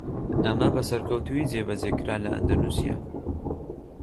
ئەمە بە سەرکەوتوویی جێبەجێکرا لە ئەندەنوسیا.